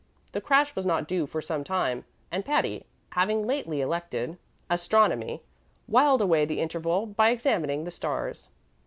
The crash was not due for some time, and Patty, having lately elected astronomy, whiled away the interval by examining the stars.